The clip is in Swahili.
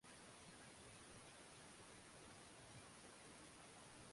kongosho halitengenezi kabisa insulini kwenye mwili wa binadamu